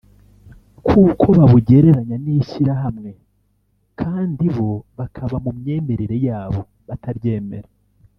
kuko babugereranya n’ishyirahamwe kandi bo bakaba mu myemerere yabo bataryemera